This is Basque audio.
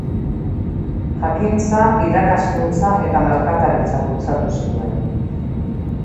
Jakintza, irakaskuntza eta merkataritza bultzatu zituen.